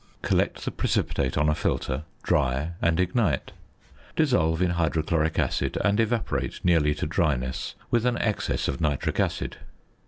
Collect the precipitate on a filter, dry, and ignite. Dissolve in hydrochloric acid, and evaporate nearly to dryness with an excess of nitric acid.